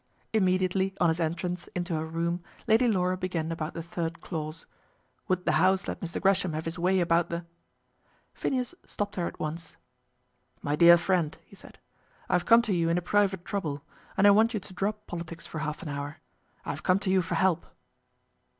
Immediately on his entrance into her room Lady Laura began about the third clause. Would the House let Mr. Gresham have his way about the ? Phineas stopped her at once. "My dear friend," he said, "I have come to you in a private trouble, and I want you to drop politics for half an hour. I have come to you for help."